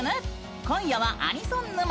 今夜は、アニソン沼。